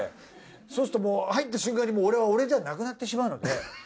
そうすると入った瞬間に俺は俺じゃなくなってしまうので。